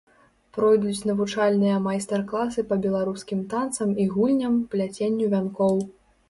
Пройдуць навучальныя майстар-класы па беларускім танцам і гульням, пляценню вянкоў.